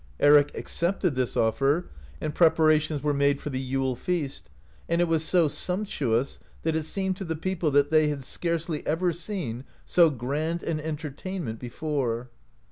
Eric accepted this offer, and preparations were made for the Yule feast (43), and it was so sumptuous, that it seemed to the people they had scarcely ever seen so grand an en tertainment before.